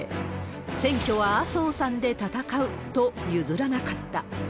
選挙は麻生さんで戦うと譲らなかった。